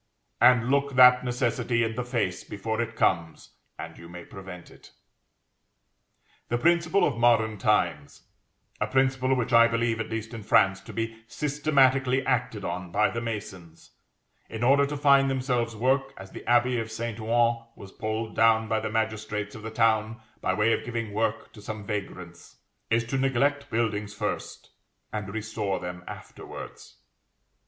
And look that necessity in the face before it comes, and you may prevent it. The principle of modern times (a principle which I believe, at least in France, to be systematically acted on by the masons, in order to find themselves work, as the abbey of St. Ouen was pulled down by the magistrates of the town by way of giving work to some vagrants,) is to neglect buildings first, and restore them afterwards.